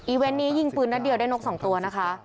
เวนต์นี้ยิงปืนนัดเดียวได้นก๒ตัวนะคะ